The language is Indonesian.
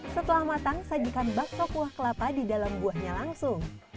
setelah matang sajikan bakso kuah kelapa di dalam buahnya langsung